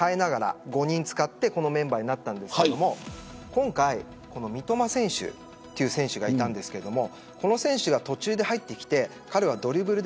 ５人使ってこのメンバーになったんですけど今回、この三笘選手という選手がいるんですがこの選手が途中で入ってきて彼はドリブルで